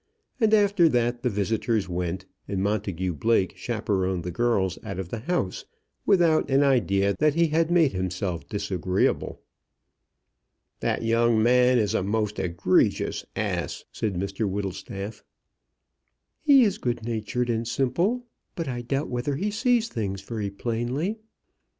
After that the visitors went, and Montagu Blake chaperoned the girls out of the house, without an idea that he had made himself disagreeable. "That young man is a most egregious ass," said Mr Whittlestaff. "He is good natured and simple, but I doubt whether he sees things very plainly."